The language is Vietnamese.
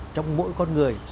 trong mỗi con người